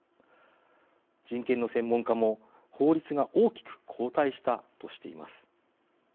人権の専門家も法律が大きく後退したとしています。